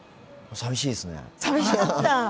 さみしいですね。